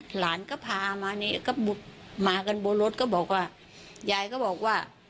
หลานก็พามานี่ก็มากันบนรถก็บอกว่ายายก็บอกว่า